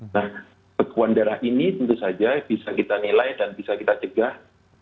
nah bekuan darah ini tentu saja bisa kita nilai dan bisa kita cegah